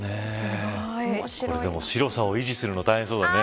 これ、白さを維持するの大変そうだね。